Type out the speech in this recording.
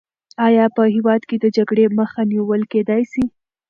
آیا په هېواد کې د جګړې مخه نیول کېدای سي؟